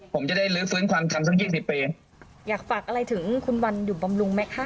ผมจะได้ลื้อฟื้นความจำสักยี่สิบปีอยากฝากอะไรถึงคุณวันอยู่บำรุงไหมคะ